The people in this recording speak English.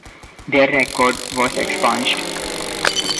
Their record was expunged.